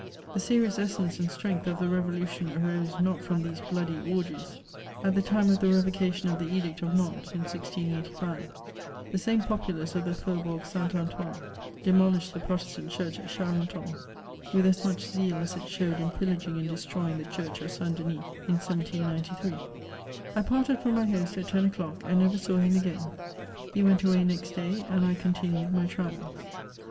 The serious essence and strength of the revolution arose not from these bloody orgies. At the time of the revocation of the E^ict of Nantes, in 1685, the same populace of the fatibourg St. Antoine demolished the F]*otestant church at Charenton, with as much zeal as it showed in pillaging and destroying the church of St Denis in 1793. I parted from my host at ten o'clock, and never saw him again ; he went away next day, and I continued my travels.